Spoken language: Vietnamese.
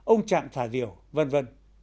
ông chạm thả diều v v